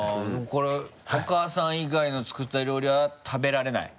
お母さん以外の作った料理は食べられない？